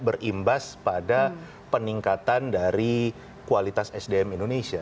jadi kita bisa mengimbas pada peningkatan dari kualitas sdm indonesia